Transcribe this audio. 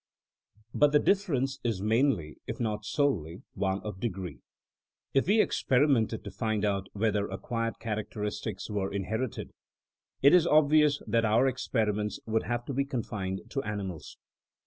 But the difference is mainly, if not solely, one of degree. If we experimented to find out whether ac quired characteristics were inherited, it is ob vious that our experiments would have to be con fined to animals.